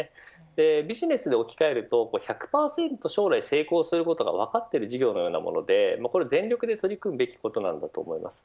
ビジネスで置き換えると１００％将来成功することが分かっている事業のようなもので全力で取り組むべきことだと思います。